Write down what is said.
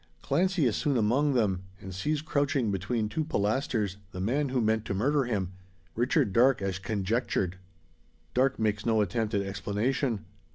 Clancy is soon among them; and sees crouching between two pilasters, the man who meant to murder him Richard Darke as conjectured. Darke makes no attempt at explanation.